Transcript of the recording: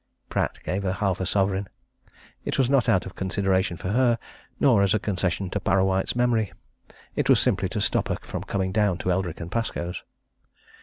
Pratt gave her half a sovereign. It was not out of consideration for her, nor as a concession to Parrawhite's memory: it was simply to stop her from coming down to Eldrick & Pascoe's.